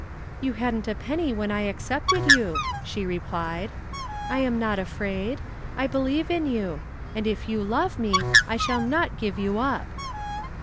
"You hadn't a penny when I accepted you," she replied. "I am not afraid. I believe in you. And if you love me I shall not give you up."